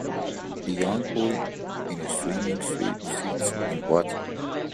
A young boy in a swimming suit sits in water